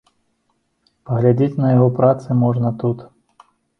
Паглядзець на яго працы можна тут.